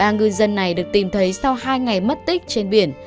ba ngư dân này được tìm thấy sau hai ngày mất tích trên biển